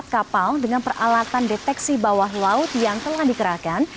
empat kapal dengan peralatan deteksi bawah laut yang telah dikerahkan